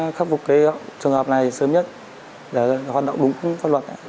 tôi sẽ khắc phục trường hợp này sớm nhất để hoạt động đúng pháp luật